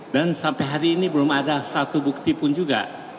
dan sampai hari ini belum ada satu bukti pun juga